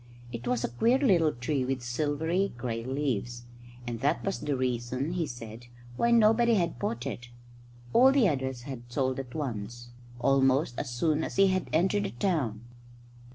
It was a queer little tree with silvery grey leaves; and that was the reason, he said, why nobody had bought it. All the others he had sold at once almost as soon as he had entered the town.